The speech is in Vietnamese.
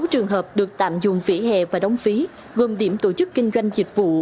sáu trường hợp được tạm dùng vỉa hè và đóng phí gồm điểm tổ chức kinh doanh dịch vụ